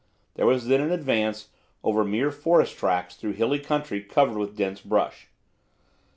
There was then an advance over mere forest tracks through hilly country covered with dense bush.